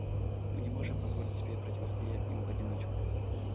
Мы не можем позволить себе противостоять им в одиночку.